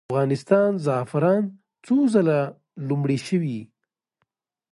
د افغانستان زعفران څو ځله لومړي شوي؟